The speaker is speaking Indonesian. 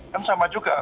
kan sama juga